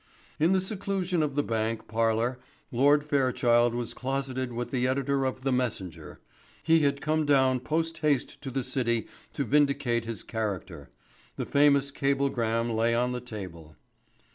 In the seclusion of the bank parlour Lord Fairchild was closeted with the editor of The Messenger. He had come down post haste to the City to vindicate his character. The famous cablegram lay on the table.